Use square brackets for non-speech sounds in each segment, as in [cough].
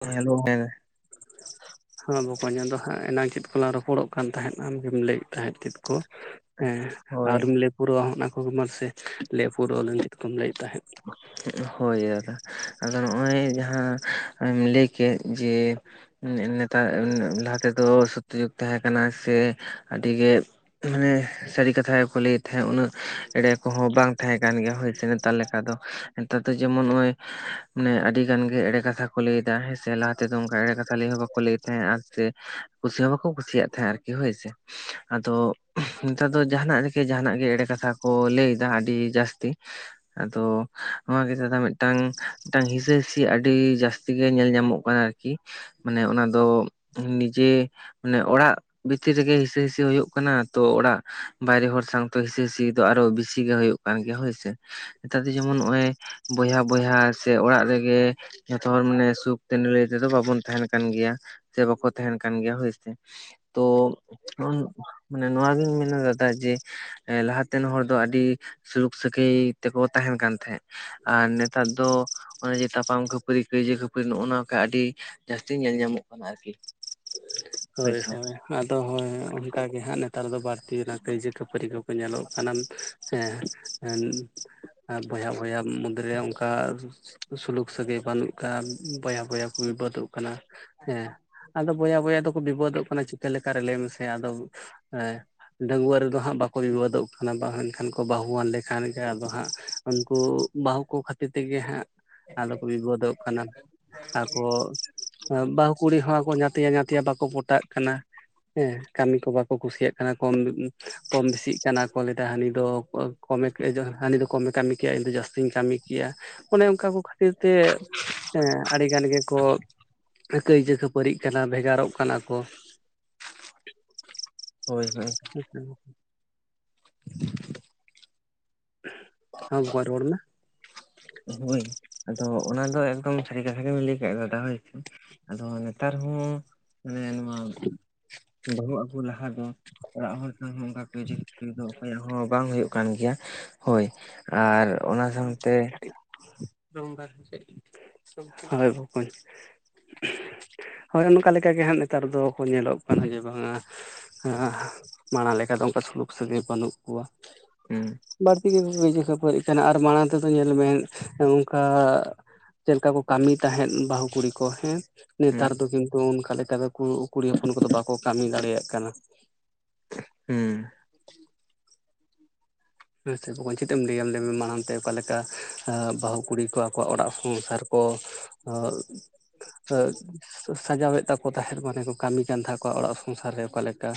Hello! ᱦᱮᱸ ᱾ [inaudible] ᱦᱚᱸ ᱵᱚᱠᱚᱧ ᱟᱫᱚ ᱦᱟᱸᱜ ᱮᱱᱟᱝ ᱪᱮᱫ ᱠᱚᱞᱟᱝ ᱨᱚᱯᱚᱲᱚᱜ ᱠᱟᱱ ᱛᱟᱦᱮᱸᱫ ᱟᱢ ᱞᱟᱹᱭᱮᱫ ᱛᱟᱦᱮᱸᱫ ᱪᱮᱫ ᱠᱚ ᱦᱮᱸ ᱦᱳᱭ ᱟᱣᱨᱤᱢ ᱞᱮ ᱯᱩᱨᱟᱹᱣᱟ ᱦᱚᱜᱼᱚᱱᱟ ᱠᱚᱜᱮ ᱢᱟᱥᱮ ᱞᱮ ᱯᱩᱨᱟᱹᱣᱞᱟᱝ ᱪᱮᱫ ᱠᱚᱢ ᱞᱟᱹᱭᱮᱫ ᱛᱟᱦᱮᱸᱫ? ᱦᱳᱭ ᱫᱟᱫᱟ ᱟᱫᱚ ᱱᱚᱜᱼᱚᱭ ᱡᱟᱦᱟᱸ ᱟᱢ ᱞᱟᱹᱭ ᱠᱮᱫ ᱡᱮ ᱱᱮ-ᱱᱮᱛᱟᱨ ᱞᱟᱦᱟ ᱛᱮᱫᱚ ᱥᱚᱛᱛᱤ ᱡᱩᱜᱽ ᱛᱟᱦᱮᱸ ᱠᱟᱱᱟ ᱥᱮ ᱟᱹᱰᱤᱜᱮ ᱢᱟᱱᱮ ᱥᱟᱹᱨᱤ ᱠᱟᱛᱷᱟ ᱜᱮᱠᱚ ᱞᱟᱹᱭᱮᱜ ᱛᱟᱦᱮᱸᱫ ᱩᱱᱟᱹᱜ ᱮᱲᱮ ᱠᱚᱦᱚᱸ ᱵᱟᱝ ᱛᱟᱦᱮᱸ ᱠᱟᱱ ᱜᱮᱭᱟ ᱦᱳᱭᱥᱮ [unintelligible] ᱛᱟᱦᱞᱮ ᱟᱫᱚ ᱱᱮᱛᱟᱨ ᱫᱚ ᱡᱮᱢᱚᱱ ᱱᱚᱸᱜᱼᱚᱭ ᱢᱟᱱᱮ ᱟᱹᱰᱤ ᱜᱟᱱ ᱜᱮ ᱮᱲᱮ ᱠᱟᱛᱷᱟ ᱠᱚ ᱞᱟᱹᱭᱫᱟ ᱦᱮᱸ ᱥᱮ ᱞᱟᱦᱟ ᱛᱮᱫᱚ ᱚᱝᱠᱟ ᱮᱲᱮ ᱠᱟᱛᱷᱟ ᱞᱟᱹᱭ ᱦᱚᱸ ᱵᱟᱠᱚ ᱞᱟᱹᱭ ᱛᱟᱦᱮᱸᱜᱼᱟ ᱥᱮ ᱠᱩᱥᱤ ᱦᱚᱸ ᱵᱟᱠᱚ ᱠᱩᱥᱤᱭᱟᱜ ᱛᱟᱦᱮᱸᱜ ᱟᱨᱠᱤ ᱦᱳᱭ ᱥᱮ᱾ ᱟᱫᱚ ᱱᱮᱛᱟᱨ ᱫᱚ ᱡᱟᱦᱟᱱᱟᱜ ᱨᱮᱜᱮ ᱡᱟᱦᱟᱱᱟᱜ ᱜᱮ ᱮᱲᱮ ᱠᱟᱛᱷᱟ ᱠᱚ ᱞᱟᱹᱭᱫᱟ ᱟᱹᱰᱤ ᱡᱟᱹᱥᱛᱤ᱾ [unintelligible] ᱟᱫᱚ ᱱᱚᱣᱟ ᱜᱮ ᱫᱟᱫᱟ ᱢᱤᱫᱴᱟᱝ ᱢᱤᱫᱴᱟᱝ ᱦᱤᱥᱟᱹ ᱦᱤᱥᱤ ᱟᱹᱰᱤ ᱡᱟᱹᱥᱛᱤ ᱜᱮ ᱧᱮᱞ ᱧᱟᱢᱚᱜ ᱠᱟᱱᱟ ᱟᱨᱠᱤ, ᱢᱟᱱᱮ ᱚᱱᱟ ᱫᱚ ᱱᱤᱡᱮ ᱢᱟᱱᱮ ᱚᱲᱟᱜ ᱵᱷᱤᱛᱤᱨ ᱨᱮᱜᱮ ᱦᱤᱥᱟᱹ ᱦᱤᱥᱤ ᱦᱩᱭᱩᱜ ᱠᱟᱱᱟ ᱛᱚ ᱚᱲᱟᱜ ᱵᱟᱭᱨᱮ ᱦᱚᱲ ᱥᱟᱶᱛᱮ ᱦᱤᱥᱟᱹ ᱦᱤᱥᱤ ᱫᱚ ᱟᱨᱚ ᱵᱤᱥᱤ ᱜᱮ ᱦᱩᱭᱩᱜ ᱠᱟᱱ ᱜᱮᱭᱟ ᱦᱳᱭᱥᱮ, ᱱᱮᱛᱟᱨ ᱫᱚ ᱡᱮᱢᱚᱱ ᱱᱚᱜᱼᱚᱭ ᱵᱚᱭᱦᱟ ᱵᱚᱭᱦᱟ ᱥᱮ ᱚᱲᱟᱜ ᱨᱮᱜᱮ ᱡᱚᱛᱚ ᱦᱚᱲ ᱢᱟᱱᱮ ᱥᱩᱠ ᱛᱮ ᱱᱤᱞᱟᱹᱭ ᱛᱮᱫᱚ ᱵᱟᱵᱚᱱ ᱛᱟᱦᱮᱸᱱ ᱠᱟᱱ ᱜᱮᱭᱟ, ᱥᱮ ᱵᱟᱠᱚ ᱛᱟᱦᱮᱸᱱ ᱠᱟᱱ ᱜᱮᱭᱟ ᱦᱳᱭᱥᱮ᱾ ᱛᱚ ᱢᱟᱱᱮ ᱱᱚᱣᱟᱜᱤᱧ ᱢᱮᱱᱟ ᱫᱟᱫᱟ ᱡᱮ ᱮ ᱞᱟᱦᱟᱛᱮᱱ ᱦᱚᱲ ᱫᱚ ᱟᱹᱰᱤ ᱥᱩᱞᱩᱠ ᱥᱟᱹᱜᱟᱹᱭ ᱛᱮᱠᱚ ᱛᱟᱦᱮᱸᱱ ᱠᱟᱱ ᱛᱟᱦᱮᱸᱫ᱾ ᱟᱨ ᱱᱮᱛᱟᱨ ᱫᱚ ᱚᱱᱮ ᱡᱮ ᱛᱟᱯᱟᱢ ᱠᱷᱟᱹᱯᱟᱹᱨᱤ ᱠᱟᱹᱭᱡᱟᱹ ᱠᱷᱟᱹᱯᱟᱹᱨᱤ ᱱᱚᱸᱜᱼᱚ ᱱᱚᱣᱠᱟ ᱟᱹᱰᱤ ᱡᱟᱹᱥᱛᱤ ᱧᱮᱞ ᱧᱟᱢᱚᱜ ᱠᱟᱱᱟ ᱟᱨᱠᱤ᱾ ᱦᱳᱭ, ᱦᱳᱭ᱾ ᱟᱫᱚ ᱦᱳᱭ ᱦᱳᱭ ᱚᱱᱠᱟ ᱜᱮ ᱦᱟᱸᱜ ᱱᱮᱛᱟᱨ ᱫᱚ ᱵᱟᱹᱲᱛᱤ ᱚᱱᱟ ᱠᱟᱹᱭᱡᱟᱹ ᱠᱷᱟᱹᱯᱟᱹᱨᱤ ᱠᱚᱯᱮ ᱧᱮᱞᱚᱜ ᱠᱟᱱᱟ᱾ ᱥᱮᱸ ᱮᱱ ᱵᱚᱭᱦᱟ ᱵᱚᱭᱦᱟ ᱢᱚᱫᱽᱫᱨᱮ ᱚᱱᱠᱟ ᱥᱩᱞᱩᱠ ᱥᱟᱹᱜᱟᱹᱭ ᱵᱟᱹᱱᱩᱜ ᱠᱟᱱ, ᱵᱚᱭᱦᱟᱼᱵᱚᱭᱦᱟ ᱠᱚ ᱵᱤᱵᱟᱹᱫᱚᱜ ᱠᱟᱱᱟ᱾ ᱥᱮ--ᱜ ᱮᱸ ᱟᱫᱚ ᱵᱚᱭᱦᱟ ᱵᱚᱭᱦᱟ ᱫᱚᱠᱚ ᱵᱤᱵᱟᱹᱫᱚᱜ ᱠᱟᱱᱟ ᱪᱤᱠᱟᱹ ᱞᱮᱠᱟ ᱨᱮ ᱞᱟᱹᱭ ᱢᱮᱥᱮ ᱟᱫᱚ ᱥᱩ--ᱜ ᱮᱸ? ᱰᱟᱺᱜᱩᱣᱟᱹ ᱨᱮᱫᱚ ᱦᱟᱸᱜ ᱵᱟᱠᱚ ᱵᱤᱵᱟᱹᱫᱚᱜ ᱠᱟᱱᱟ ᱵᱟᱹᱦᱩᱣᱟᱱ ᱠᱷᱟᱱ ᱠᱚ ᱵᱟᱹᱦᱩᱣᱟᱱ ᱞᱮᱠᱷᱟᱱ ᱜᱮ ᱟᱫᱚ ᱦᱟᱸᱜ ᱩᱱᱠᱩ, ᱵᱟᱦᱩ ᱠᱚ ᱠᱷᱟᱹᱛᱤᱨ ᱛᱮᱜᱮ ᱦᱟᱸᱜ ᱾ ᱟᱫᱚ ᱠᱚ ᱵᱤᱵᱟᱹᱫᱚᱜ ᱠᱟᱱᱟ, ᱟᱠᱚ ᱵᱟᱦᱩ ᱠᱩᱲᱤ ᱦᱚᱸ ᱟᱠᱚ ᱧᱟ ᱛᱭᱟ ᱧᱟᱛᱭᱟ ᱵᱟᱠᱚ ᱯᱚᱴᱟᱜ ᱠᱟᱱᱟ ᱦᱮᱸ, ᱠᱟᱹᱢᱤ ᱠᱚ ᱵᱟᱠᱚ ᱠᱩᱥᱤᱭᱟᱜ ᱠᱟᱱᱟ ᱠᱚᱢ ᱠᱚᱢ ᱵᱤᱥᱤᱜ ᱠᱟᱱᱟ ᱠᱚ ᱞᱟᱹᱭᱫᱟ ᱦᱟᱹᱱᱤ ᱫᱚ ᱠᱚᱢᱮ ᱠᱮᱭᱟ ᱡᱟ ᱦᱟᱱᱤ ᱫᱚ ᱠᱚᱢᱮ ᱠᱟᱢᱤ ᱠᱮᱭᱟ ᱤᱧ ᱫᱚ ᱡᱟᱛᱤᱧ ᱠᱟᱢᱤ ᱾ ᱠᱮᱭᱟ ᱚᱱᱮ ᱚᱱᱠᱟ ᱠᱚ ᱠᱷᱟᱹᱛᱤᱨ ᱛᱮ ᱮᱸ ᱟᱰᱤᱜᱟᱱ ᱜᱮᱠᱚ ᱠᱟᱹᱭᱡᱟᱹ ᱠᱷᱟᱹᱯᱟᱹᱨᱤᱜ ᱠᱟᱱᱟ ᱵᱷᱮᱜᱟᱨᱚᱜ ᱠᱟᱱᱟ ᱠᱚ᱾ ᱦᱳᱭ, ᱦᱳᱭ ᱾ [unintelligible] ᱾ [unintelligible] ᱾ ᱷᱩᱦ ᱟᱢ ᱵᱚᱠᱧ ᱨᱚᱲ ᱢᱮ ᱾ ᱦᱳᱭ, ᱟᱫᱚ ᱚᱱᱟ ᱫᱚ ᱮᱠᱫᱚᱢ ᱥᱟᱹᱨᱤ ᱠᱟᱛᱷᱟ ᱜᱮᱢ ᱞᱟᱹᱭ ᱠᱟᱫᱟ ᱫᱟᱫᱟ ᱦᱳᱭ᱾ ᱟᱫᱚ ᱱᱮᱛᱟᱨ ᱦᱚᱸ ᱢᱟᱱᱮ ᱱᱚᱣᱟ [unintelligible] ᱾ ᱵᱟᱹᱦᱩ ᱟᱹᱜᱩ ᱞᱟᱦᱟ ᱫᱚ, ᱚᱲᱟᱜ ᱦᱚᱲ ᱥᱟᱶ ᱦᱚᱸ ᱚᱱᱠᱟ ᱠᱟᱹᱭᱡᱟᱹ ᱠᱷᱟᱹᱯᱟᱹᱨᱤ ᱫᱚ ᱚᱠᱚᱭᱟᱜ ᱦᱚᱸ ᱵᱟᱝ ᱦᱳᱭᱳᱜ ᱠᱟᱱ ᱜᱮᱭᱟ ᱦᱳᱭ᱾ ᱟᱹᱹᱨ ᱚᱱᱟ ᱥᱟᱶᱛᱮ [unintelligible] ᱦᱳᱭ ᱵᱚᱠᱚᱧ ᱾ ᱷᱩ-ᱦ-ᱥᱩ-ᱜ ᱦᱳᱭ, ᱚᱱᱠᱟ ᱞᱮᱠᱟ ᱜᱮ ᱦᱟᱸᱜ ᱱᱮᱛᱟᱨ ᱫᱚ ᱠᱚ ᱧᱮᱞᱚᱜ ᱠᱟᱱᱟ ᱡᱮ ᱵᱟᱝᱟ ᱥᱟ-ᱮᱸ-ᱟᱸᱻ ᱢᱟᱲᱟᱝ ᱞᱮᱠᱟ ᱫᱚ ᱚᱱᱠᱟ ᱥᱩᱞᱩᱠ ᱥᱟᱹᱜᱟᱹᱭ ᱵᱟᱹᱱᱩᱜ ᱠᱚᱣᱟ᱾ ᱩᱸ ᱾ ᱵᱟᱹᱲᱛᱤ ᱜᱮᱠᱚ ᱠᱟᱹᱭᱡᱟᱹ ᱠᱷᱟᱹᱯᱟᱹᱨᱤ ᱠᱟᱱᱟ ᱟᱨ ᱢᱟᱲᱟᱝ ᱛᱮᱫᱚ ᱧᱮᱞᱢᱮ ᱚᱱᱠᱟ, ᱪᱮᱞᱠᱟ ᱠᱚ ᱠᱟᱢᱤ ᱛᱟᱦᱮᱸᱫ ᱵᱟᱦᱩ ᱠᱩᱲᱤ ᱠᱚ ᱦᱮᱸ ᱦᱩᱸ ᱱᱮᱛᱟᱨ ᱫᱚ ᱠᱤᱱᱛᱩ ᱚᱱᱠᱟ ᱞᱮᱠᱟ ᱫᱚ ᱠᱩ ᱠᱩᱲᱤ ᱦᱚᱯᱚᱱ ᱠᱚᱫᱚ ᱵᱟᱠᱚ ᱠᱟᱢᱤ ᱫᱟᱲᱮᱭᱟᱜ ᱠᱟᱱᱟ ᱾ ᱦᱩᱸᱻ ᱾ ᱟᱸᱪᱷᱟ, ᱵᱚᱠᱚᱧ ᱪᱮᱫ ᱮᱢ ᱞᱟᱹᱭᱟ ᱞᱟᱹᱭᱢᱮ ᱢᱟ ᱚᱱᱛᱮ ᱚᱠᱟ ᱞᱮᱠᱟ, ᱵᱟᱦᱩ ᱠᱩᱲᱤ ᱠᱚ ᱟᱠᱚᱣᱟᱜ ᱚᱲᱟᱜ ᱥᱚᱝᱥᱟᱨ ᱠᱚ [unintelligible] ᱾ ᱥᱟᱡᱟᱣᱮᱫ ᱛᱟᱠᱚ ᱛᱟᱦᱮᱸᱫ ᱢᱟᱱᱮ ᱠᱚ ᱠᱟᱢᱤ ᱠᱟᱱ ᱛᱟᱠᱚᱣᱟ ᱚᱲᱟᱜ ᱥᱚᱝᱥᱟᱨ ᱨᱮ ᱚᱠᱟᱞᱮᱠᱟ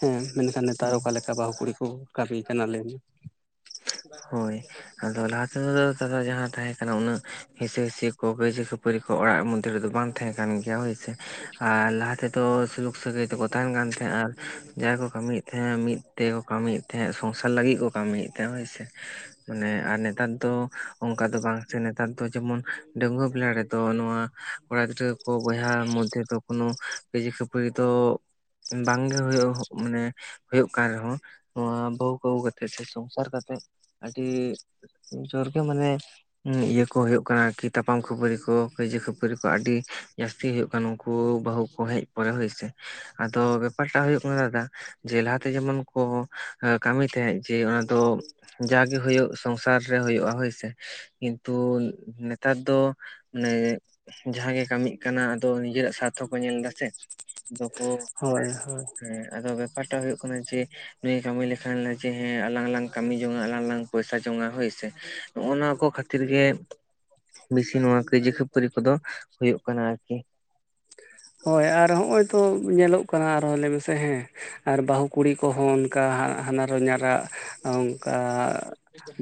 ᱦᱮᱸ, ᱢᱮᱱᱠᱷᱟᱱ ᱱᱮᱛᱟᱨ ᱚᱠᱟ ᱞᱮᱠᱟ ᱵᱟᱦᱩ ᱠᱩᱲᱤ ᱠᱚ ᱠᱟᱢᱤ ᱠᱟᱱᱟ ᱞᱟᱹᱭᱢᱮ? ᱪᱟ-ᱜ, ᱦᱳᱭ ᱟᱫᱚ ᱞᱟᱦᱟ ᱛᱮᱫᱚ ᱡᱟᱦᱟᱸ ᱛᱟᱦᱮᱸ ᱠᱟᱱᱟ ᱩᱱᱟᱹᱜ ᱦᱤᱥᱟᱹ ᱦᱤᱥᱤ ᱠᱚ ᱠᱟᱭᱡᱟᱹ ᱠᱷᱟᱹᱯᱟᱹᱨᱤ ᱠᱚ ᱚᱲᱟᱜ ᱢᱩᱫᱽ ᱨᱮᱫᱚ ᱵᱟᱝ ᱛᱟᱦᱮᱸ ᱠᱟᱱ ᱜᱮᱭᱟ ᱦᱳᱭ ᱥᱮ ᱾ ᱟᱨ ᱞᱟᱦᱟ ᱛᱮᱫᱚ ᱥᱩᱞᱩᱠ ᱥᱟᱹᱜᱟᱹᱭ ᱛᱮᱠᱚ ᱛᱟᱦᱮᱱ ᱠᱟᱱ ᱛᱟᱦᱮᱸᱜ-ᱟ ᱡᱟᱦᱟᱸᱭ ᱠᱚ ᱠᱟᱹᱢᱤᱭᱮᱫ ᱛᱟᱦᱮᱸᱫ ᱢᱤᱫ ᱛᱮᱠᱚ ᱠᱟᱢᱤᱭᱮᱜ ᱛᱟᱦᱮᱸᱜ ᱥᱚᱝᱥᱟᱨ ᱞᱟᱹᱜᱤᱜ ᱠᱚ ᱠᱟᱢᱤᱭᱮᱜ ᱛᱟᱦᱮᱸᱜ ᱦᱳᱭ ᱥᱮ ᱾ ᱢᱟᱱᱮ ᱟᱨ ᱱᱮᱛᱟᱨ ᱫᱚ ᱚᱝᱠᱟ ᱫᱚ ᱵᱟᱝ ᱥᱮ ᱱᱮᱛᱟᱨ ᱫᱚ ᱡᱮᱢᱚᱱ ᱰᱟᱸᱝᱣᱟᱹ ᱵᱮᱞᱟ ᱨᱮᱫᱚ ᱱᱚᱣᱟ ᱥᱟ-ᱜ ᱠᱚᱲᱟ ᱜᱤᱫᱽᱨᱟᱹ ᱠᱚ ᱵᱚᱭᱦᱟ ᱢᱚᱫᱽᱫᱷᱮᱹ ᱫᱚ ᱠᱳᱱᱳ ᱠᱟᱹᱭᱡᱟᱹ ᱠᱷᱟᱹᱯᱟᱹᱨᱤ ᱫᱚ ᱵᱟᱝ ᱜᱮ ᱦᱳᱭᱳᱜ ᱢᱟᱱᱮ ᱦᱳᱭᱳᱜ ᱠᱟᱱ ᱨᱮᱦᱚᱸ ᱱᱚᱣᱟ ᱵᱟᱹᱦᱩ, ᱵᱟᱹᱦᱩ ᱠᱟᱛᱮᱜ ᱥᱮ ᱥᱚᱝᱥᱟᱨ ᱠᱟᱛᱮᱜ ᱟᱰᱤᱻ ᱡᱳᱨ ᱜᱮ ᱢᱟᱱᱮ ᱤᱭᱟᱹ ᱠᱚ ᱦᱳᱭᱳᱜ ᱠᱟᱱᱟ ᱟᱨᱠᱤ ᱛᱟᱯᱟᱢ ᱠᱷᱟᱹᱯᱟᱹᱨᱤ ᱠᱚ ᱠᱟᱹᱭᱡᱟᱹ ᱠᱷᱟᱹᱯᱟᱹᱨᱤ ᱠᱚ ᱟᱰᱤ ᱡᱟᱥ ᱛᱤ ᱦᱳᱭᱳᱜ ᱠᱟᱱ ᱱᱩᱠᱩ ᱵᱟᱹᱦᱩ ᱠᱚ ᱦᱮᱡ ᱯᱚᱨᱮ ᱦᱳᱭ ᱥᱮ, ᱟᱫᱚ ᱵᱮᱯᱟᱨ ᱴᱟ ᱦᱳᱭᱳᱜ ᱠᱟᱱᱟ ᱫᱟᱫᱟ ᱡᱮ ᱞᱟᱦᱟᱛᱮ ᱡᱮᱢᱚᱱ ᱠᱚ ᱦᱚ ᱠᱟᱢᱤ ᱛᱟᱦᱮᱸᱡ ᱡᱮ ᱚᱱᱟᱫᱚ ᱡᱟᱜᱮ ᱦᱳᱭᱳᱜ ᱥᱚᱝᱥᱟᱨ ᱨᱮ ᱦᱳᱭᱳᱜᱼᱟ ᱦᱳᱭ ᱥᱮ ᱾ ᱠᱤᱱᱛᱩᱻ ᱱᱮᱛᱟᱨ ᱫᱚ ᱥᱟᱸ-ᱜ ᱢᱟᱱᱮ ᱡᱟᱦᱟᱸ ᱜᱮ ᱠᱟᱹᱢᱤᱜ ᱠᱟᱱᱟ ᱟᱫᱚ ᱱᱤᱡᱟᱹᱨᱟᱜ ᱥᱟᱨᱛᱷᱚᱠ ᱠᱚ ᱧᱮᱞ ᱮᱫᱟ ᱥᱮ ᱟᱫᱚ ᱠᱚ ᱦᱳᱭ ᱦᱳᱭ ᱾ ᱦᱮᱸ ᱟᱫᱚ ᱵᱮᱯᱟᱨ ᱴᱟᱜ ᱦᱩᱭᱩᱜ ᱠᱟᱱᱟ ᱡᱮ ᱱᱩᱭ ᱮ ᱠᱟᱹᱢᱤ ᱞᱮᱠᱷᱟᱱ ᱞᱮ ᱡᱮ ᱦᱮᱸ ᱟᱞᱟᱝ ᱞᱟᱝ ᱠᱟᱹᱢᱤ ᱡᱚᱝᱼᱟᱸᱜ ᱞᱟᱝ ᱞᱟᱝ ᱯᱚᱭᱥᱟᱹ ᱡᱚᱝᱼᱟᱸ ᱦᱳᱭᱥᱮ, ᱱᱚᱜᱼᱚᱼᱱᱚᱶᱟ ᱠᱚ ᱠᱷᱟᱹᱛᱤᱨ ᱜᱮ ᱵᱤᱥᱤ ᱱᱚᱣᱟ ᱠᱟᱹᱭ ᱡᱟᱹ ᱠᱷᱟᱹᱯᱟᱹᱨᱤ ᱠᱚᱫᱚ ᱦᱩᱭᱩᱜ ᱠᱟᱱᱟ ᱟᱨᱠᱤ ᱾ ᱦᱳᱭ ᱟᱨ ᱦᱚᱸᱜᱼᱚᱸᱭ ᱛᱚ ᱧᱮᱞᱚᱜ ᱠᱟᱱᱟ ᱟᱨᱦᱚᱸ ᱞᱟᱹᱭ ᱢᱮᱥᱮ ᱦᱮᱸ, ᱟᱨ ᱵᱟᱹᱦᱩ ᱠᱩᱲᱤ ᱠᱚᱦᱚᱸ ᱚᱱᱠᱟ ᱦᱟᱸᱜ ᱦᱟᱱᱟᱨ-ᱦᱚᱧᱟᱨᱟᱜ ᱚᱝᱠᱟ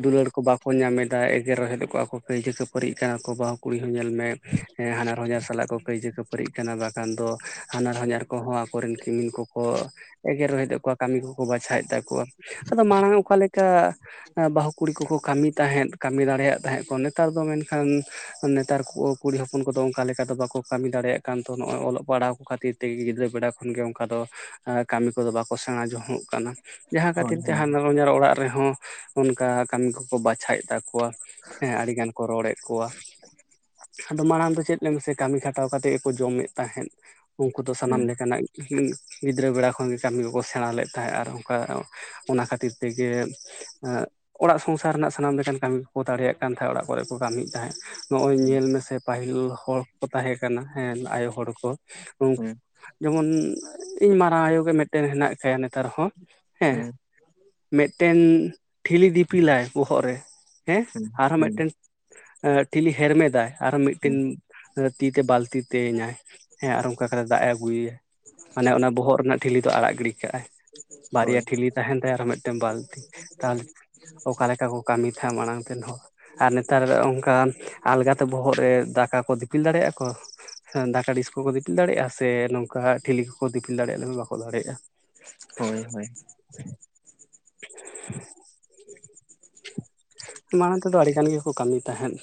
ᱫᱩᱞᱟᱹᱲ ᱠᱚ ᱵᱟᱠᱚ ᱧᱟᱢ ᱮᱫᱟ, ᱮᱜᱮᱨ ᱨᱚᱦᱮᱫᱮᱫᱽ ᱠᱚᱣᱟ ᱠᱚ, ᱠᱟᱹᱭᱡᱟᱹ ᱠᱟᱹᱯᱟᱹᱨᱤᱜ ᱠᱟᱱᱟ ᱠᱚ ᱵᱟᱹᱦᱩ ᱠᱩᱲᱤ ᱦᱚᱸ ᱧᱮᱞ ᱢᱮ ᱮᱸ ᱦᱟᱱᱟᱨ-ᱦᱚᱸᱧᱟᱨ ᱥᱟᱞᱟᱜ ᱠᱚ ᱠᱟᱹᱭᱡᱟᱹ ᱠᱟᱹᱯᱟᱹᱨᱤᱜ ᱠᱟᱱᱟ ᱵᱟ ᱠᱷᱟᱱ ᱫᱚ ᱦᱟᱱᱟᱨ-ᱦᱚᱸᱧᱟᱨ ᱠᱚᱦᱚᱸ ᱟᱠᱚ ᱨᱤᱱ ᱠᱤᱢᱤᱱ ᱠᱚᱠᱚ ᱮᱜᱮᱨ ᱨᱚᱦᱤᱫ ᱮᱫ ᱠᱚᱣᱟ ᱠᱟᱹᱢᱤ ᱠᱚᱠᱚ ᱵᱟᱪᱷᱟᱣᱮᱫ ᱛᱟᱠᱚᱣᱟ ᱟᱫᱚ ᱢᱟᱲᱟᱝ ᱚᱠᱟ ᱞᱮᱠ ᱠᱟ ᱵᱟᱹᱦᱩ ᱠᱩᱲᱤ ᱠᱚᱠᱚ ᱠᱟᱹᱢᱤ ᱛᱟᱦᱮᱸᱫ ᱠᱟᱹᱢᱤ ᱫᱟᱲᱮᱭᱟᱜ ᱛᱟᱦᱮᱸᱫ ᱠᱚ, ᱱᱮᱛᱟᱨ ᱫᱚ ᱢᱮᱱᱠᱷᱟᱱ ᱱᱮᱛᱟᱨ ᱠᱚ ᱠᱩᱲᱤ ᱦᱚᱯᱚᱱ ᱠᱚᱫᱚ ᱚᱝᱠᱟ ᱞᱮᱠᱟ ᱫᱚ ᱵᱟᱠᱚ ᱠᱟᱹᱢᱤ ᱫᱟᱲᱮᱭᱟᱜ ᱠᱟᱱ ᱫᱚ ᱾ ᱱᱚᱜᱼᱚᱸᱭ ᱚᱞᱚᱜ ᱯᱟᱲᱦᱟᱣ ᱠᱚ ᱠᱷᱟᱹᱛᱤᱨ ᱛᱮᱜᱮ ᱜᱤᱫᱽᱨᱟᱹ ᱵᱮᱲᱟ ᱠᱷᱚᱱ ᱜᱮ ᱚᱝᱠᱟ ᱫᱚ, ᱮᱸ ᱠᱟᱹᱢᱤ ᱠᱚᱫᱚ ᱵᱟᱠᱚ ᱥᱮᱬᱟ ᱡᱷᱚᱝ-ᱚᱜ ᱠᱟᱱᱟ ᱾ ᱡᱟᱦᱟᱸ ᱦᱳᱭ ᱠᱷᱟᱹᱛᱤᱨ ᱛᱮ ᱦᱮᱸ ᱦᱟᱱᱟᱨ ᱦᱚᱸᱧᱟᱨ ᱚᱲᱟᱜ ᱨᱮᱦᱚᱸ ᱚᱱᱠᱟ ᱠᱟᱹᱢᱤ ᱠᱚᱠᱚ ᱵᱟᱪᱷᱟᱭᱮᱜ ᱛᱟᱠ ᱠᱚᱣᱟ ᱦᱮᱸ ᱟᱹᱰᱤ ᱜᱟᱱ ᱠᱚ ᱨᱚᱲᱮᱜ ᱠᱚᱣᱟ ᱾ ᱟᱫᱚ ᱢᱟᱲᱟᱝ ᱫᱚ ᱪᱮᱫ ᱞᱟᱹᱭ ᱢᱮᱥᱮ ᱠᱟᱹᱢᱤ ᱠᱷᱟᱴᱟᱣ ᱠᱟᱛᱮᱜ ᱜᱮᱠᱚ ᱡᱚᱢᱮᱫ ᱛᱟᱦᱮᱸᱫ ᱩᱝᱠᱩ ᱫᱚ ᱥᱟᱱᱟᱢ ᱦᱮᱸ ᱞᱮᱠᱟᱱᱟᱜ ᱦᱩᱸ ᱜᱤᱫᱽᱨᱟᱹ ᱵᱮᱲᱟ ᱠᱷᱚᱱ ᱜᱮ ᱠᱟᱹᱢᱤ ᱠᱚᱠᱚ ᱥᱮᱬᱟ ᱞᱮᱫ ᱛᱟᱦᱮᱸᱜ ᱟᱨ ᱚᱝᱠᱟ ᱚᱱᱟ ᱠᱷᱟᱹᱛᱤᱨ ᱛᱮᱜᱮ ᱮᱸᱜ ᱚᱲᱟᱜ ᱥᱚᱝᱥᱟᱨ ᱨᱮᱱᱟᱜ ᱥᱟᱱᱟᱢ ᱞᱮᱠᱟᱱ ᱠᱟᱹᱢᱤ ᱠᱚᱠᱚ ᱫᱟᱲᱮᱭᱟᱜ ᱠᱟᱱ ᱛᱟᱦᱮᱸᱜ ᱚᱲᱟᱜ ᱠᱚᱨᱮᱜ ᱠᱚ ᱠᱟᱹᱢᱤᱭᱮᱜ ᱛᱟᱦᱮᱸᱜ, ᱱᱚᱜᱼᱚᱸᱭ ᱧᱮᱞ ᱢᱮᱥᱮ ᱯᱟᱹᱦᱤᱞ ᱦᱚᱲ ᱠᱚᱠᱚ ᱛᱟᱦᱮᱸ ᱠᱟᱱᱟ ᱦᱮᱸᱱ ᱟᱭᱳ ᱦᱚᱲ ᱠᱚ, ᱱᱩᱝ ᱦᱮᱸ ᱡᱮᱢᱚᱱ ᱤᱧ ᱢᱟᱨᱟᱝ ᱟᱭᱳ ᱜᱮ ᱢᱤᱫᱴᱟᱹᱱ ᱦᱮᱱᱟᱜ ᱠᱟᱭᱟ ᱱᱮᱛᱟᱨ ᱦᱚᱸ ᱦᱮᱸ, ᱢᱤᱫᱴᱮᱱ ᱴᱷᱤᱞᱤ ᱫᱤᱯᱤᱞᱟᱭ ᱵᱚᱦᱚᱜ ᱨᱮ ᱦᱮᱸᱦ ᱦᱮᱸ ᱟᱨᱦᱚᱸ ᱦᱮᱸ ᱢᱤᱫᱴᱮᱱ ᱮᱸ ᱴᱷᱤᱞᱤ ᱦᱮᱨᱢᱮᱫᱟ ᱟᱨᱚ ᱢᱤᱫᱴᱤᱱ ᱦᱮᱸ ᱮᱸ ᱛᱤ ᱛᱮ ᱵᱟᱹᱞᱛᱤ ᱛᱮᱣᱮᱧᱟᱭ ᱾ ᱦᱮᱸ ᱟᱨ ᱚᱝᱠᱟ ᱠᱟᱛᱮ ᱫᱟᱜ ᱮ ᱟᱹᱜᱩᱭᱮᱭᱟ ᱢᱟᱱᱮ ᱚᱱᱟ ᱵᱚᱦᱚᱜ ᱨᱮᱱᱟᱜ ᱴᱷᱤᱞᱤ ᱫᱚ ᱟᱲᱟᱜ ᱜᱤᱰᱤ ᱠᱟᱜ-ᱟᱭ ᱾ ᱵᱟᱨᱭᱟ ᱦᱳᱭ ᱴᱷᱤᱞᱤ ᱛᱟᱦᱮᱱ ᱛᱟᱭᱟ ᱟᱨᱚ ᱢᱤᱫᱴᱟᱹᱱ ᱵᱟᱞᱼᱛᱤ ᱛᱟᱦᱚᱞᱮ ᱚᱠᱟ ᱞᱮᱠᱟ ᱠᱚ ᱠᱟᱹᱢᱤ ᱛᱟᱦᱮᱸᱜ ᱢᱟᱲᱟᱝ ᱛᱮᱱ ᱦᱚᱲ ᱱᱮᱛᱟᱨᱼᱮᱸ ᱚᱝᱠᱟᱢ ᱟᱞᱜᱟ ᱛᱮ ᱵᱚᱦᱚᱜ ᱨᱮ ᱫᱟᱠᱟ ᱠᱚ ᱫᱤᱯᱤᱞ ᱫᱟᱲᱮᱭᱟᱜᱼᱟ ᱠᱚ ᱦᱮᱸ ᱫᱟᱠ ᱛᱟᱹᱲᱤᱥ ᱠᱚᱠᱚ ᱫᱤᱯᱤᱞ ᱫᱟᱲᱮᱭᱟᱜᱼᱟ ᱥᱮ ᱰᱤᱥᱠᱚ ᱠᱚ ᱫᱤᱯᱤᱞ ᱫᱟᱲᱮᱜᱼᱟ, ᱥᱮ ᱱᱚᱝᱠᱟ ᱴᱷᱤᱞᱤ ᱠᱚᱠᱚ ᱫᱤᱯᱤᱞ ᱫᱟᱲᱮᱭᱟᱜᱼᱟ, ᱟᱞᱮ ᱞᱤ ᱵᱟᱠᱚ ᱫᱟᱲᱮᱭᱟᱜᱼᱟ ᱾ ᱦᱳᱭ ᱦᱳᱭ ᱾ [unintelligible] ᱢᱟᱲᱟᱝ ᱛᱮᱫᱚ ᱟᱹᱰᱤ ᱜᱟᱱ ᱜᱮ- ᱠᱚ ᱠᱟᱹᱢᱤ ᱛᱟᱦᱮᱸᱫ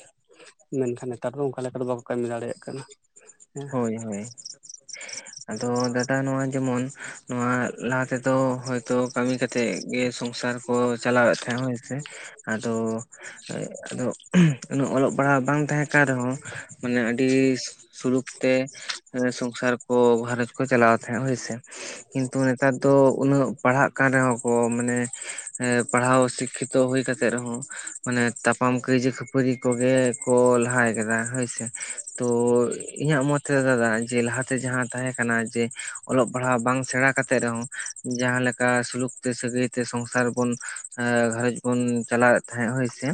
ᱢᱮᱱᱠᱷᱟᱱ ᱱᱮᱛᱟᱨ ᱫᱚ ᱚᱝᱠᱟ ᱞᱮᱠᱟ ᱫᱚ ᱵᱟᱠᱚ ᱠᱟᱹᱢᱤ ᱫᱟᱲᱮᱭᱟᱜ ᱠᱟᱱᱟ ᱾ ᱦᱳᱭ ᱦᱳᱭ, ᱟᱫᱚ ᱫᱟᱫᱟ ᱱᱚᱣᱟ ᱡᱮᱢᱚᱱ ᱱᱚᱣᱟ ᱞᱟᱦᱟ ᱛᱮᱫᱚ ᱦᱳᱭ ᱛᱚ, ᱠᱟᱹᱢᱤ ᱠᱟᱛᱮᱜ ᱜᱮ ᱥᱚᱝᱥᱟᱨ ᱠᱚ ᱪᱟᱞᱟᱣᱮᱜ ᱛᱟᱦᱮᱸᱜ ᱦᱳᱭ ᱥᱮ, ᱟᱫᱚ ᱮᱸᱜ ᱟᱫᱚᱜ ᱩᱱᱟᱹᱜ ᱚᱞᱚᱜ ᱯᱟᱲᱦᱟᱣ ᱵᱟᱝ ᱛᱟᱦᱮᱸ ᱠᱟᱱ ᱨᱮᱦᱚᱸ ᱢᱟᱱᱮ ᱟᱹᱰᱤᱻᱥ ᱥᱩᱞᱩᱠ ᱛᱮ ᱮᱸ ᱥᱚᱝᱥᱟᱨ ᱠᱚ ᱜᱷᱟᱨᱚᱸᱡᱽ ᱠᱚ ᱪᱟᱞᱟᱣ ᱛᱟᱦᱮᱸᱜ ᱦᱳᱭ ᱥᱮ ᱾ ᱠᱤᱱᱛᱩ ᱱᱮᱛᱟᱨ ᱫᱚ ᱩᱱᱟᱹᱜ ᱯᱟᱲᱦᱟᱜ ᱠᱟᱱ ᱨᱮᱦᱚᱸ ᱠᱚ ᱢᱟᱱᱮ ᱮᱸ ᱯᱟᱲᱦᱟᱣ ᱥᱤᱠᱷᱤᱛ ᱛᱚ ᱦᱩᱭ ᱠᱟᱛᱮᱫ ᱨᱮᱦᱚᱸ, ᱢᱟᱱᱮ ᱛᱟᱯᱟᱢ ᱠᱟᱹᱭᱡᱟᱹ ᱠᱷᱟᱹᱯᱟᱹᱨᱤ ᱠᱚ ᱜᱮ ᱠᱚ ᱞᱟᱦᱟᱭ ᱠᱟᱫᱟ ᱦᱳᱭ ᱥᱮ ᱾ ᱛᱚ ᱤ- ᱤᱧᱟᱹᱜ ᱢᱚᱛ ᱨᱮ ᱫᱟᱫᱟ ᱡᱮ ᱞᱟᱦᱟᱛᱮ ᱡᱟᱦᱟᱸ ᱛᱟᱦᱮᱸ ᱠᱟᱱᱟ ᱡᱮ ᱚᱞᱚᱜ ᱯᱟᱲᱦᱟᱣ ᱵᱟᱝ ᱥᱮᱬᱟ ᱠᱟᱛᱮᱫ ᱨᱮᱦᱚᱸ ᱡᱟᱦᱟᱸ ᱞᱮᱠᱟ ᱥᱩᱞᱩᱠ ᱛᱮ ᱥᱟᱹᱜᱟᱹᱭ ᱛᱮ ᱥᱚᱝᱥᱟᱨ ᱵᱚᱱ ᱮᱸ ᱜᱷᱟᱨᱚᱸᱡᱽ ᱵᱚᱱ ᱪᱟᱞᱟᱣᱮᱫ ᱛᱟᱦᱮᱸᱜ ᱦᱳᱭ ᱥᱮ,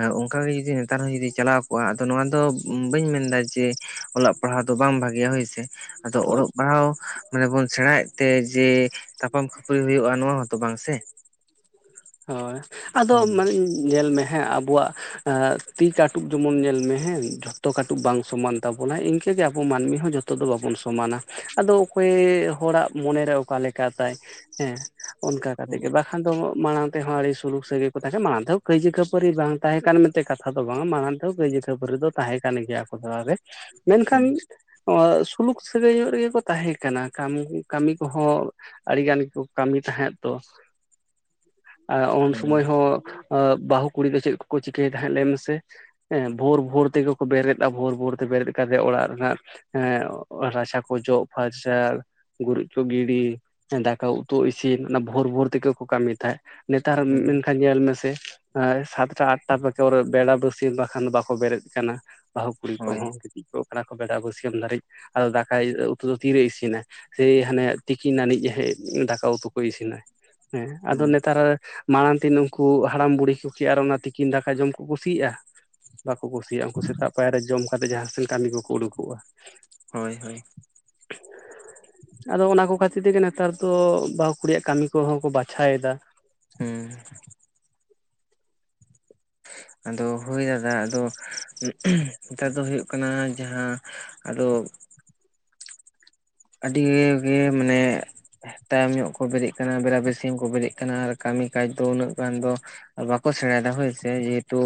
ᱮᱸ ᱚᱝᱠᱟ ᱜᱮ ᱡᱩᱫᱤ ᱱᱮᱛᱟᱨ ᱦᱚᱸ ᱡᱩᱫᱤ ᱪᱟᱞᱟᱣ ᱠᱚᱜᱼᱟ, ᱟᱫᱚ ᱱᱚᱣᱟ ᱫᱚ ᱵᱟᱹᱧ ᱢᱮᱱ ᱫᱟ ᱡᱮ ᱚᱞᱚᱜ ᱯᱟᱲᱦᱟᱣ ᱫᱚ ᱵᱟᱝ ᱵᱷᱟᱜᱮᱭᱟ ᱦᱳᱭ ᱥᱮ, ᱟᱫᱚ ᱚᱲᱚᱜ ᱯᱟᱲᱦᱟᱣ ᱢᱟᱱᱮ ᱵᱚᱱ ᱥᱮᱬᱟᱭᱮᱫ ᱛᱮ ᱡᱮ ᱛᱟᱯᱟᱢ ᱠᱷᱟᱹᱯᱟᱹᱨᱤ ᱦᱩᱭᱩᱜᱼᱟ ᱱᱚᱶᱟ ᱦᱚᱸᱛᱚ ᱵᱟᱝ ᱥᱮ? ᱦᱳᱭ, ᱟᱫᱚ ᱦᱩᱸ ᱢᱟᱱᱮ ᱧᱮᱞ ᱢᱮ ᱦᱮᱸ ᱟᱵᱚᱣᱟᱜ ᱟᱹᱜ ᱛᱤ ᱠᱟᱹᱴᱩᱵ ᱡᱮᱢᱚᱱ ᱧᱮᱞ ᱢᱮ ᱦᱮᱸ ᱡᱷᱚᱛᱚ ᱠᱟᱹᱴᱩᱵ ᱵᱟᱝ ᱥᱚᱢᱟᱱ ᱛᱟᱵᱚᱱᱟ, ᱤᱱᱠᱟᱹᱜᱮ ᱟᱵᱚ ᱢᱟᱹᱱᱢᱤ ᱦᱚᱸ ᱡᱚᱛᱚ ᱫᱚ ᱵᱟᱵᱚᱱ ᱥᱚᱢᱟᱱᱟ ᱾ ᱟᱫᱚ ᱚᱠᱚᱭ ᱦᱚᱲᱟᱜ ᱢᱚᱱᱮᱨᱮ ᱚᱠᱟ ᱞᱮᱠᱟ ᱛᱟᱭ ᱦᱮᱸ ᱚᱱᱠᱟ ᱠᱟᱛᱮᱜ ᱦᱩᱸ ᱜᱮ ᱵᱟᱠᱷᱟᱱ ᱫᱚ ᱢᱟᱲᱟᱝ ᱛᱮᱦᱚᱸ ᱟᱹᱰᱤ ᱥᱩᱞᱩᱠ ᱥᱟᱹᱜᱟᱹᱭ ᱠᱚ ᱛᱟᱦᱮᱸ ᱠᱟᱱᱟ, ᱢᱟᱲᱟᱝ ᱛᱮᱦᱚᱸ ᱠᱟᱹᱭᱡᱟᱹ ᱠᱷᱟᱹᱯᱟᱹᱨᱤ ᱵᱟᱝ ᱛᱟᱦᱮᱸ ᱠᱟᱱ ᱢᱮᱱᱛᱮ ᱠᱟᱛᱷᱟ ᱫᱚ ᱵᱟᱝ ᱾ ᱢᱟᱲᱟᱝ ᱛᱮ ᱡᱚᱸ ᱠᱟᱹᱭᱡᱟᱹ ᱠᱷᱟᱹᱯᱟᱹᱨᱤ ᱫᱚ ᱛᱟᱦᱮᱸ ᱠᱟᱱ ᱜᱮᱭᱟ ᱟᱠᱚ ᱛᱟᱞᱟᱨᱮ᱾ ᱢᱮᱱᱠᱷᱟᱱ ᱦᱩᱸ ᱚᱸ ᱥᱩᱞᱩᱠ ᱥᱟᱹᱜᱟᱹᱭ ᱧᱚᱜ ᱨᱮᱜᱮ ᱠᱚ ᱛᱟᱦᱮᱸ ᱠᱟᱱᱟ ᱾ ᱠᱟᱹᱢᱤ ᱠᱟ. ᱢᱤ ᱠᱚᱦᱚᱸ ᱟᱹᱰᱤᱜᱟᱱ ᱜᱮᱠᱚ ᱠᱟᱹᱢᱤ ᱛᱟᱦᱮᱸᱜ ᱛᱚ ᱾ ᱟᱨ ᱩᱱ ᱦᱳᱭ ᱥᱚᱢᱚᱭ ᱦᱚᱸ ᱵᱟᱹᱦᱩ ᱠᱩᱲᱤ ᱫᱚ ᱪᱮᱫ ᱠᱚᱠᱚ ᱪᱤᱠᱟᱹᱭ ᱛᱟᱦᱮᱸᱫ ᱞᱟᱹᱭ ᱢᱮᱥᱮ? ᱦᱮᱸ ᱵᱷᱳᱨ ᱵᱷᱳᱨ ᱛᱮᱜᱮ ᱠᱚ ᱵᱮᱨᱮᱫᱼᱟ, ᱵᱷᱳᱨ ᱵᱷᱳᱨ ᱛᱮ ᱵᱮᱨᱮᱫ ᱠᱟᱛᱮᱜ ᱚᱲᱟᱜ ᱨᱮᱱᱟᱜ ᱮᱸᱜ ᱨᱟᱪᱟ ᱠᱚ ᱡᱚᱜ ᱯᱷᱟᱨᱪᱟ, ᱜᱩᱨᱤᱡ ᱡᱚ ᱜᱤᱰᱤ, ᱦᱮᱸ ᱫᱟᱠᱟ ᱩᱛᱩ ᱤᱥᱤᱱ ᱚᱱᱟ ᱵᱷᱳᱨ ᱵᱷᱳᱨ ᱛᱮᱜᱮ ᱠᱚ ᱠᱟᱹᱢᱤᱭᱮᱫ ᱛᱟᱦᱮᱸᱫ ᱾ ᱱᱮᱛᱟᱨ ᱦᱩᱸ ᱢᱮᱱᱠᱷᱟᱱ ᱧᱮᱞ ᱢᱮᱥᱮ ᱾ ᱮᱸ ᱥᱟᱛᱴᱟ ᱟᱴᱴᱟ ᱵᱮᱜᱚᱨ ᱵᱮᱲᱟ ᱵᱟᱹᱥᱭᱟᱹᱢ ᱵᱟᱠᱷᱟᱱ ᱵᱟᱠᱚ ᱵᱮᱨᱮᱫ ᱠᱟᱱᱟ, ᱵᱟᱹᱦᱩ ᱠᱩᱲᱤ ᱦᱳᱭ ᱠᱚᱦᱚᱸ ᱠᱟᱴᱤᱡ ᱠᱟᱱᱟ ᱠᱚ ᱵᱮᱲᱟ ᱵᱟᱹᱭᱟᱹᱢ ᱫᱷᱟᱹᱨᱤᱡ, ᱟᱫᱚ ᱫᱟᱠᱟ ᱩᱛᱩ ᱫᱚ ᱛᱤᱨᱮ ᱤᱥᱤᱱᱟ ᱾ ᱥᱮᱭ ᱦᱟᱱᱮ ᱛᱤᱠᱤᱱ ᱟᱹᱱᱤᱡ ᱫᱟᱠᱟ ᱩᱛᱩ ᱠᱚ ᱤᱥᱤᱱᱟ ᱾ ᱦᱮᱸ ᱟᱫᱚ ᱦᱩᱸ ᱱᱮᱛᱟᱨ ᱢᱟᱲᱟᱝ ᱛᱮ ᱩᱱᱠᱩ ᱦᱟᱲᱟᱢ ᱵᱩᱲᱦᱤ ᱠᱚ ᱟᱨ ᱚᱱᱟ ᱛᱤᱠᱤᱱ ᱫᱟᱠᱟ ᱡᱚᱢ ᱠᱚ ᱠᱩᱥᱤᱭᱟᱜᱼᱟ? ᱵᱟᱠᱚ ᱠᱩᱥᱤᱭᱟᱜᱼᱟ ᱾ ᱩᱱᱠᱩ ᱥᱮᱛᱟᱜ ᱯᱟᱭᱟᱨ ᱨᱮ ᱡᱚᱢ ᱠᱟᱛᱮ ᱡᱟᱦᱟᱸ ᱥᱮᱱ ᱠᱟᱹᱢᱤ ᱠᱚ ᱩᱰᱩᱠᱚᱜᱼᱟ ᱾ ᱦᱳᱭ ᱦᱳᱭ ᱟᱫᱚ ᱚᱱᱟ ᱠᱚ ᱠᱷᱟᱭᱤᱨ ᱛᱮᱜᱮ ᱱᱮᱛᱟᱨ ᱫᱚ ᱵᱟᱹᱦᱩ ᱠᱩᱲᱤᱭᱟᱜ ᱠᱟᱹᱢᱤ ᱠᱚ ᱵᱟᱼᱼ ᱼᱼᱪᱷᱟᱭᱮᱫᱟ ᱾ ᱦᱩᱸᱻ ᱟᱫᱚ ᱦᱳᱭ ᱫᱟᱫᱟ ᱟᱫᱚ ᱱᱮᱛᱟᱨ ᱫᱚ ᱦᱩᱭᱩᱜ ᱠᱟᱱᱟ ᱡᱟᱦᱟᱸ ᱟᱫᱚ ᱟᱹᱰᱤᱻ ᱜᱮ ᱢᱟᱱᱮ ᱛᱟᱭᱚᱢ ᱧᱚᱜ ᱠᱚ ᱵᱮᱨᱮᱫ ᱠᱟᱱᱟ, ᱵᱮᱨᱟ ᱵᱮᱥᱤᱢ ᱠᱚ ᱵᱮᱨᱮᱫ ᱠᱟᱱᱟ ᱟᱨ ᱠᱟᱹᱢᱤ ᱠᱟᱡᱽ ᱫᱚ ᱩᱱᱟᱹᱜ ᱜᱟᱱ ᱫᱚ ᱟᱨ ᱵᱟᱠᱚ ᱥᱮᱬᱟᱭᱮᱫᱟ ᱦᱳᱭᱥᱮ ᱡᱮᱦᱮᱛᱩ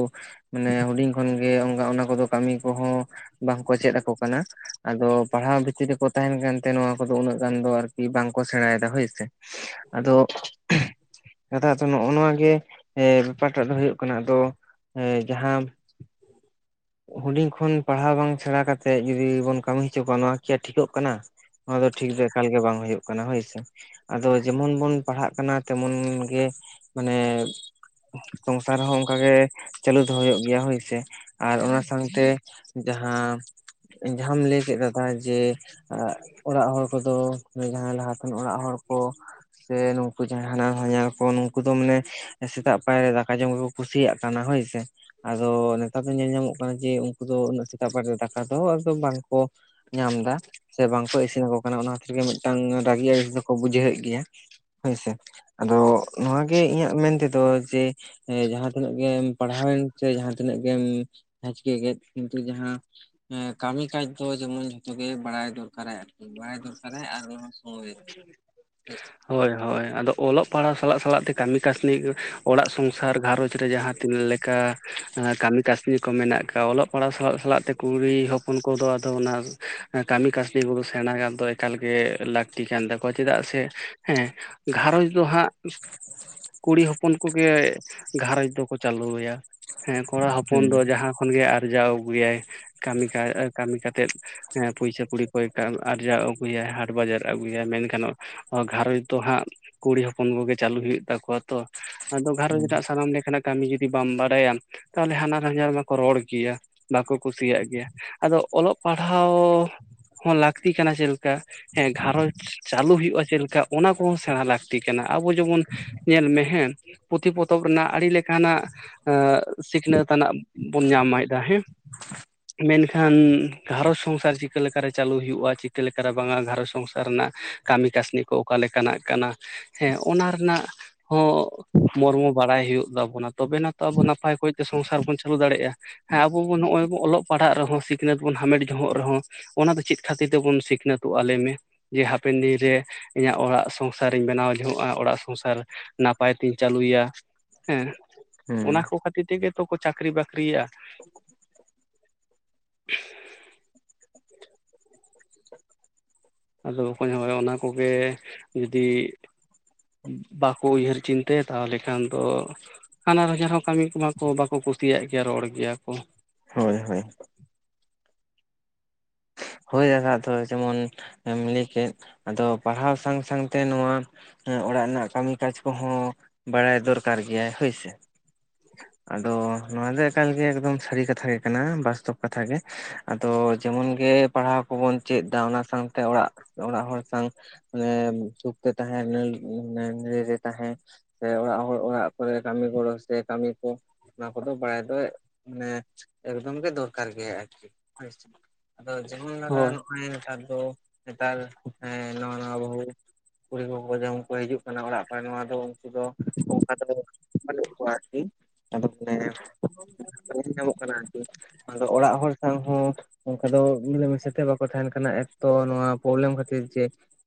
ᱢᱟᱱᱮ ᱦᱩᱰᱤᱧ ᱠᱷᱚᱱ ᱜᱮ ᱚᱱᱠᱟ ᱚᱱᱟ ᱠᱚᱫᱚ ᱠᱟᱹᱢᱤ ᱠᱚᱦᱚᱸ ᱵᱟᱝᱠᱚ ᱪᱮᱫ ᱟᱠᱚ ᱠᱟᱱᱟ ᱾ ᱟᱫᱚ ᱯᱟᱲᱦᱟᱣ ᱵᱷᱤᱛᱨᱤ ᱨᱮᱠᱚ ᱛᱟᱦᱮᱸᱱ ᱠᱟᱱ ᱛᱮ, ᱱᱚᱣᱟ ᱠᱚᱫᱚ ᱩᱱᱟᱹᱜ ᱜᱟᱱ ᱫᱚ ᱟᱨᱠᱤ ᱵᱟᱝᱠᱚ ᱥᱮᱬᱟᱭᱮᱫᱟ ᱦᱳᱭᱥᱮ ᱾ ᱟᱫᱚ ᱱᱮᱛᱟᱨ ᱟᱫᱚ ᱱᱚᱜᱼᱚ ᱱᱚᱣᱟᱜ ᱜᱮ ᱮ ᱵᱮᱯᱟᱨ ᱴᱟᱜ ᱫᱚ ᱦᱩᱭᱩᱜ ᱠᱟᱱᱟ ᱟᱫᱚ ᱡᱟᱦᱟᱸᱼᱼ ᱦᱩᱰᱤᱧ ᱠᱷᱚᱱ ᱯᱟᱲᱦᱟᱣ ᱵᱟᱝ ᱥᱮᱬᱟ ᱠᱟᱛᱮᱜ ᱡᱩᱫᱤ ᱵᱚᱱ ᱠᱟᱹᱢᱤ ᱦᱚᱪᱚ ᱠᱚᱣᱟ ᱱᱚᱣᱟ ᱦᱚᱸ ᱪᱮᱫ ᱴᱷᱤᱠᱚᱜ ᱠᱟᱱᱟ? ᱱᱚᱣᱟ ᱫᱚ ᱴᱷᱤᱠ ᱫᱚ ᱮᱠᱟᱞ ᱜᱮ ᱵᱟᱝ ᱦᱩᱭᱩᱜ ᱠᱟᱱᱟ ᱦᱳᱭᱥᱮ ᱾ ᱟᱫᱚ ᱡᱮᱢᱚᱱ ᱵᱚᱱ ᱯᱟᱲᱦᱟᱜ ᱠᱟᱱᱟ ᱛᱮᱢᱚᱱ ᱜᱮ ᱢᱟᱱᱮ ᱥᱚᱝᱥᱟᱨ ᱦᱚᱸ ᱚᱱᱠᱟ ᱜᱮ ᱪᱟᱹᱞᱩ ᱫᱚᱦᱚ ᱦᱩᱭᱩᱜ ᱜᱮᱭᱟ ᱦᱳᱭᱥᱮ ᱾ ᱟᱨ ᱚᱱᱟ ᱥᱟᱶᱛᱮ ᱡᱟᱦᱟᱸ ᱡᱟᱦᱟᱸᱟᱢ ᱞᱟᱹᱭ ᱠᱮᱫ ᱫᱟᱫᱟ ᱡᱮ ᱚᱲᱟᱜ ᱦᱚᱲ ᱠᱚᱫᱚ, ᱡᱟᱦᱟᱸᱭ ᱞᱟᱦᱟᱛᱮᱱ ᱚᱲᱟᱜ ᱦᱚᱲ ᱠᱚ ᱥᱮ ᱱᱩᱠᱩ ᱡᱟᱦᱟᱸ ᱦᱟᱱᱦᱟᱨ ᱦᱚᱧᱦᱟᱨ ᱠᱚ ᱱᱩᱠᱩ ᱫᱚ ᱢᱟᱱᱮ ᱥᱮᱛᱟᱜ ᱯᱟᱭᱨᱮ ᱫᱟᱠᱟ ᱡᱚᱢ ᱜᱮᱠᱚ ᱠᱩᱥᱤᱭᱟᱜ ᱠᱟᱱᱟ ᱦᱳᱭ ᱥᱮ, ᱟᱫᱚᱻ ᱱᱮᱛᱟᱨ ᱫᱚ ᱧᱮᱞ ᱧᱟᱢᱚᱜ ᱠᱟᱱᱟ ᱡᱮ ᱩᱱᱠᱩ ᱫᱚ ᱩᱱᱟᱹᱜ ᱥᱮᱛᱟᱜ ᱵᱮᱲ ᱨᱮ ᱫᱟᱠᱟ ᱫᱚ ᱟᱫᱚ ᱵᱟᱝᱠᱚ ᱧᱟᱢᱫᱟ, ᱥᱮ ᱵᱟᱝᱠᱚ ᱤᱥᱤᱱ ᱟᱠᱚ ᱠᱟᱱᱟ ᱚᱱᱟ ᱠᱷᱟᱹᱛᱤᱨ ᱜᱮ ᱢᱤᱫᱴᱟᱝ ᱨᱟᱹᱜᱤ ᱟᱹᱲᱤᱥ ᱫᱚᱠᱚ ᱵᱩᱡᱷᱟᱹᱣᱮᱫ ᱜᱮᱭᱟ ᱦᱳᱭᱥᱮ, ᱟᱫᱚ ᱱᱚᱣᱟᱜᱮ ᱤᱧᱟᱹᱜ ᱢᱮᱱᱛᱮᱫᱚ ᱡᱮ ᱡᱟᱦᱟᱸ ᱛᱤᱱᱟᱹᱜ ᱜᱮ ᱯᱟᱲᱦᱟᱣᱮᱱ ᱪᱮ ᱢᱟᱦᱟᱸ ᱛᱤᱱᱟᱹᱜ ᱜᱮᱢ ᱡᱟᱦᱟᱸ ᱪᱤᱠᱟᱹ ᱠᱮᱫ ᱠᱤᱱᱛᱩ ᱡᱟᱦᱟᱸ ᱮᱸ ᱠᱟᱹᱢᱤ ᱠᱟᱡᱽ ᱫᱚ ᱡᱮᱢᱚᱱ ᱡᱷᱚᱛᱚ ᱜᱮ ᱵᱟᱲᱟᱭ ᱫᱚᱨᱠᱟᱨᱟᱭ ᱟᱨᱼᱼ ᱵᱟᱭ ᱫᱚᱠᱟᱨ ᱟᱨ ᱦᱳᱭ, ᱦᱳᱭ ᱪᱮ ᱦᱳᱭ ᱦᱳᱭ, ᱟᱫᱚ ᱚᱞᱚᱜ ᱯᱟᱲᱦᱟᱣ ᱥᱟᱞᱟᱜ ᱥᱟᱞᱟᱜ ᱛᱮ ᱠᱟᱹᱢᱤ ᱠᱟᱹᱥᱱᱤ ᱚᱲᱟᱜ ᱥᱚᱝᱥᱟᱨ ᱜᱷᱟᱨᱚᱸᱡᱽ ᱨᱮ ᱡᱟᱦᱟᱸ ᱛᱤᱱᱟᱹᱜ ᱞᱮ ᱠᱟ ᱠᱟᱹᱢᱤ ᱠᱟᱹᱥᱱᱤ ᱠᱚ ᱢᱮᱱᱟᱜ ᱠᱟᱣ ᱚᱞᱚᱜ ᱯᱟᱲᱦᱟᱣ ᱥᱟᱞᱟᱜ ᱥᱟᱞᱟᱜ ᱛᱮ ᱠᱩᱲᱤ ᱦᱚᱯᱚᱱ ᱠᱚᱫᱚ ᱟᱫᱚ ᱚᱱᱟ ᱾ ᱠᱟᱹᱢᱤ ᱠᱟᱹᱥᱱᱤ ᱠᱩᱠᱚ ᱥᱮᱬᱟᱭᱟ ᱫᱚ ᱮᱠᱟᱞ ᱜᱮ ᱞᱟᱹᱠᱛᱤ ᱠᱟᱱ ᱛᱟᱠᱚᱣᱟ ᱪᱮᱫᱟᱜ ᱥᱮ ᱦᱮᱸ ᱜᱷᱟᱨᱚᱸᱡᱽ ᱫᱚ ᱦᱟᱸᱜ ᱤᱥ ᱠᱩᱲᱤ ᱦᱚᱯᱚᱱ ᱠᱩᱜᱮ ᱜᱷᱟᱨᱚᱸᱡᱽ ᱫᱚᱠᱚ ᱪᱟᱹᱞᱩᱭᱟ ᱾ ᱦᱮᱸ ᱠᱚᱲᱟ ᱦᱚᱯᱚᱱ ᱫᱚ ᱡᱟᱦᱟᱸ ᱠᱷᱚᱱᱜᱮ ᱟᱨᱡᱟᱣ ᱟᱹᱜᱩᱭᱟᱭ ᱠᱟᱹᱢᱤ ᱠᱟᱡ ᱠᱟᱹᱢᱤ ᱠᱟᱛᱮᱫ ᱾ ᱦᱮᱸ ᱯᱩᱭᱥᱟ ᱠᱩᱲᱤ ᱠᱚᱭ ᱠᱟᱞ ᱟᱨᱡᱟᱣ ᱟᱹᱜᱩᱭᱟᱭ ᱦᱟᱴ ᱵᱟᱡᱟᱨ ᱟᱹᱜᱩᱭᱟᱭ ᱢᱮᱱᱠᱷᱟᱱᱚᱜ ᱾ ᱜᱷᱟᱨᱚᱸᱡᱽ ᱫᱚ ᱦᱟᱸᱜ ᱠᱩᱲᱤ ᱦᱚᱯᱚᱱ ᱠᱚᱜᱮ ᱪᱟᱹᱞᱩ ᱦᱩᱭᱩᱜ ᱛᱟᱠᱚᱣᱟ ᱛᱚ ᱾ ᱟᱫᱚ ᱜᱷᱟᱨᱚᱸᱡᱽ ᱥᱟᱱᱟᱢ ᱞᱮᱠᱟᱱᱟᱜ ᱠᱟᱹᱢᱤ ᱡᱩᱫᱤ ᱵᱟᱢ ᱵᱟᱲᱟᱭᱟᱢ ᱛᱟᱦᱚᱞᱮ ᱦᱟᱱᱦᱟᱨ ᱦᱟᱧᱦᱟᱨ ᱢᱟᱠᱚ ᱨᱚᱲ ᱜᱮᱭᱟ ᱵᱟᱠᱚ ᱠᱩᱥᱤᱭᱟᱜ ᱜᱮᱭᱟ ᱾ ᱟᱫᱚ ᱚᱞᱚᱜ ᱯᱟᱲᱦᱟᱣ ᱦᱚᱸ ᱞᱟᱹᱠᱛᱤ ᱠᱟᱱᱟ ᱪᱮᱫ ᱠᱟ ᱦᱮᱸ ᱜᱷᱟᱨᱚᱸᱡᱽ ᱪᱟᱹᱞᱩ ᱦᱩᱭᱩᱜ-ᱟ ᱪᱮᱞᱠᱟ ᱚᱱᱟ ᱠᱚᱦᱚᱸ ᱥᱮᱬᱟ ᱞᱟᱹᱠᱛᱤ ᱠᱟᱱᱟ ᱟᱵᱚ ᱡᱮᱢᱚᱱ ᱼ ᱧᱮᱞ ᱢᱮ ᱦᱮᱸ ᱯᱩᱛᱷᱤ ᱯᱚᱛᱚᱵ ᱨᱮᱱᱟᱜ ᱟᱹᱰᱤ ᱞᱮᱠᱟᱱᱟᱜ ᱮᱸᱜ ᱥᱤᱠᱷᱱᱟᱹᱛ ᱟᱱᱟᱜ ᱵᱚᱱ ᱧᱟᱢᱟᱭᱫᱟ ᱦᱮᱸ ᱢᱮᱱᱠᱷᱟᱱ ᱜᱷᱟᱨᱚᱸᱡᱽ ᱥᱚᱝᱥᱟᱨ ᱪᱤᱠᱟᱹ ᱞᱮᱠᱟᱨ ᱪᱟᱹᱞᱩ ᱦᱩᱭᱩᱜ-ᱟ ᱪᱤᱠᱟᱹ ᱞᱮ ᱠᱟᱨᱮ ᱵᱟᱝᱟ ᱜᱷᱟᱨᱚᱸᱡᱽ ᱥᱚᱝᱥᱟᱨ ᱨᱮᱱᱟᱜ ᱠᱟᱹᱢᱤ ᱠᱟᱹᱥᱱᱤ ᱠᱚ ᱚᱠᱟ ᱞᱮᱠᱟᱱᱟᱜ ᱠᱟᱱᱟ ᱦᱮᱸ ᱚᱱᱟ ᱨᱮᱱᱟᱜ ᱦᱚᱸ ᱾ ᱢᱚᱨᱢᱚ ᱵᱟᱲᱟᱭ ᱦᱩᱭᱩᱜ ᱛᱟᱵᱚᱱᱟ ᱛᱚᱵᱮᱱᱟ ᱛᱚ ᱟᱵᱚ ᱱᱟᱯᱟᱭ ᱠᱚᱭᱛᱮ ᱥᱚᱝᱥᱟᱨ ᱵᱚᱱ ᱪᱟᱹᱞᱩ ᱫᱟᱲᱮᱜ-ᱟ ᱾ ᱦᱮᱸ ᱟᱵᱚᱵᱚᱱ ᱱᱚᱜ-ᱚᱭ ᱵᱚᱱ ᱚᱞᱚᱜ ᱯᱟᱲᱦᱟᱜ ᱨᱮᱦᱚᱸ ᱥᱤᱠᱷᱱᱟᱹᱛ ᱵᱚᱱ ᱦᱟᱢᱮᱴ ᱡᱚᱦᱚᱸᱜ ᱨᱮᱦᱚᱸ ᱚᱱᱟ ᱫᱚ ᱪᱮᱫ ᱠᱷᱟᱹᱛᱤᱨ ᱛᱮᱵᱚᱱ ᱥᱤᱠ᱾ ᱱᱟᱹᱛᱚᱜ-ᱟ ᱞᱟᱹᱭ ᱢᱮ ᱡᱮ ᱦᱟᱯᱮᱱ ᱫᱤᱱᱨᱮ ᱤᱧᱟᱹᱜ ᱚᱲᱟᱜ ᱥᱚᱝᱥᱟᱨᱤᱧ ᱵᱮᱱᱟᱣ ᱡᱚᱝᱚᱜ-ᱟ ᱚᱲᱟᱜ ᱥᱚᱝᱥᱟᱨ ᱾ ᱱᱟᱯᱟᱭ ᱛᱤᱧ ᱪᱟᱹᱞᱩᱭᱟ ᱦᱮᱸ᱾ ᱦᱩᱸ ᱚᱱᱟ ᱠᱚ ᱠᱷᱟᱹᱛᱤᱨ ᱛᱮᱜᱮ ᱛᱚ ᱠᱚ ᱪᱟᱹᱠᱨᱤ ᱵᱟᱹᱠᱨᱤᱭᱟ ᱾ ᱟᱫᱚ ᱚᱠᱚᱭ ᱦᱚᱸᱭ ᱚᱱᱟ ᱠᱚᱜᱮ ᱡᱩᱫᱤ ᱵᱟᱠᱚ ᱩᱭᱦᱟᱹᱨ ᱪᱤᱱᱛᱟᱹᱭ ᱛᱟᱦᱚᱞᱮ ᱠᱷᱟᱱ ᱫᱚ ᱾ ᱦᱟᱱᱦᱟᱨ ᱦᱚᱧᱦᱟᱨ ᱦᱚᱸ ᱠᱟᱹᱢᱤ ᱠᱚᱢᱟ ᱠᱚ ᱵᱟᱠᱚ ᱠᱩᱥᱤᱭᱟᱜ ᱜᱮᱭᱟ ᱨᱚᱲ ᱜᱮᱭᱟ ᱠᱚ ᱦᱳᱭ ᱦᱳᱭ ᱦᱳᱭ ᱟᱨᱦᱚᱸ ᱟᱫᱚ ᱡᱮᱢᱚᱱ ᱞᱟᱹᱭ ᱠᱮᱫ ᱟᱫᱚ ᱯᱟᱲᱦᱟᱣ ᱥᱟᱝ ᱥᱟᱝᱛᱮ ᱱᱚᱣᱟ ᱦᱮ ᱚᱲᱟᱜ ᱨᱮᱱᱟᱜ ᱠᱟᱹᱢᱤ ᱠᱟᱡᱽ ᱠᱚᱦᱚᱸ ᱵᱟᱲᱟᱭ ᱫᱚᱨᱠᱟᱨ ᱜᱮᱭᱟᱭ ᱦᱳᱭ ᱥᱮ [inaudible] ᱟᱫᱚ ᱱᱚᱣᱟ ᱫᱚ ᱮᱠᱟᱞᱜᱮ ᱮᱠᱫᱚᱢ ᱥᱟᱹᱨᱤ ᱠᱟᱛᱷᱟ ᱜᱮ ᱠᱟᱱᱟ ᱵᱟᱥᱛᱚᱵ ᱠᱟᱛᱷᱟ ᱜᱮ ᱟᱫᱚ ᱡᱮᱢᱚᱱ ᱜᱮ ᱯᱟᱲᱦᱟᱣ ᱠᱚᱵᱚᱱ ᱪᱮᱫ ᱫᱟ ᱚᱱᱟ ᱥᱟᱶᱛᱮ ᱚᱲᱟᱜ ᱚᱲᱟᱜ ᱦᱚᱲ ᱥᱟᱝ ᱧᱮ ᱥᱩᱠᱛᱮ ᱛᱟᱦᱮᱸ [unintelligible] ᱮ ᱛᱟᱦᱮᱸ ᱥᱮ ᱚᱲᱟᱜ ᱦᱚᱲ ᱚᱲᱟᱜ ᱠᱚᱨᱮ ᱠᱟᱹᱢᱤ ᱜᱚᱲᱚ ᱥᱮ ᱠᱟᱹᱢᱤ ᱠᱚ ᱱᱚᱣᱟ ᱠᱚᱫᱚ ᱵᱟᱲᱟᱭ ᱫᱚ ᱢᱟᱱᱮ ᱮᱠᱫᱚᱢ ᱜᱮ ᱫᱚᱨᱠᱟᱨ ᱜᱮᱭᱟ ᱟᱨᱠᱤ ᱦᱳᱭ ᱥᱮ ᱟᱫᱚ ᱡᱮᱢᱚᱱ ᱫᱟᱫᱟ ᱦᱳᱭ ᱱᱚᱜ-ᱚᱭ ᱱᱮᱛᱟᱨ ᱫᱚ ᱱᱮᱛᱟᱨ ᱦᱮᱸ ᱱᱟᱣᱟ ᱱᱟᱣᱟ ᱵᱟᱹᱦᱩ ᱠᱩᱲᱤ ᱠᱚᱠᱚ ᱡᱮᱢᱚᱱ ᱠᱚ ᱦᱤᱡᱩᱜ ᱠᱟᱱᱟ ᱚᱲᱟᱜ ᱠᱚᱨᱮ ᱱᱚᱣᱟ ᱫᱚ ᱩᱱᱠᱩ ᱫᱚ ᱚᱱᱠᱟ ᱫᱚᱠᱚ ᱾ ᱵᱟᱹᱱᱩᱜ ᱠᱚᱣᱟ ᱟᱨᱠᱤ ᱟᱫᱚ ᱢᱟᱱᱮ ᱧᱟᱢᱚᱜ ᱠᱟᱱᱟ ᱟᱫᱚ ᱚᱲᱟᱜ ᱦᱚᱲ ᱥᱟᱶ ᱦᱚᱸ ᱚᱱᱠᱟ ᱫᱚ ᱢᱤᱞᱮ ᱢᱤᱥᱟ ᱛᱮ ᱵᱟᱠᱚ ᱛᱟᱦᱮᱸᱱ ᱠᱟᱱᱟ ᱛᱚ ᱱᱚᱣᱟ ᱯᱨᱚᱵᱞᱮᱢ ᱠᱷᱟᱹᱛᱤᱨ ᱡᱮ